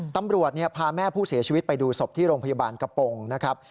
ตำรวจพาแม่ผู้เสียชีวิตไปดูศพที่โรงพยาบาลกระโปรงนะครับ